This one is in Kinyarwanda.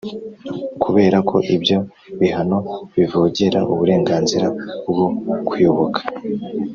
Kubera ko ibyo bihano bivogera uburenganzira bwo kuyoboka